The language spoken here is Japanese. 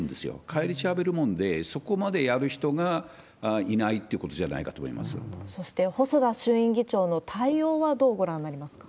返り血を浴びるもんで、そこまでやる人がいないってことじゃないそして、細田衆院議長の対応はどうご覧になりますか？